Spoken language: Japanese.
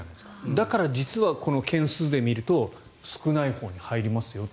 だから実はこの件数で見ると少ないほうに入りますよと。